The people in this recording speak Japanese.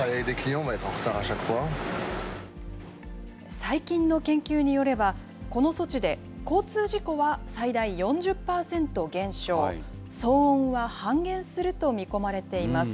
最近の研究によれば、この措置で交通事故は最大４０％減少、騒音は半減すると見込まれています。